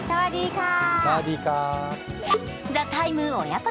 「ＴＨＥＴＩＭＥ，」母娘